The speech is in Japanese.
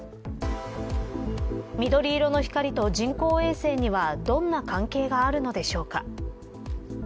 緑色の光と人工衛星にはどんな関係があるのでしょうか。